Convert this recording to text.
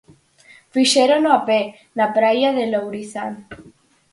Fixérono a pé, na praia de Lourizán.